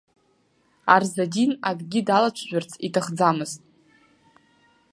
Арзадин акгьы далацәажәарц иҭахӡамызт.